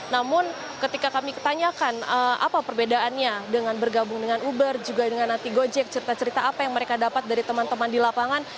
namun ketika kami tanyakan apa perbedaannya dengan bergabung dengan uber juga dengan nanti gojek cerita cerita apa yang mereka dapat dari teman teman di lapangan